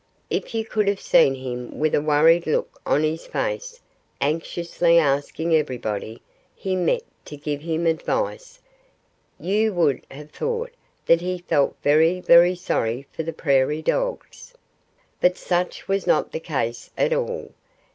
If you could have seen him with a worried look on his face, anxiously asking everybody he met to give him advice, you would have thought that he felt very, very sorry for the prairie dogs. But such was not the case at all.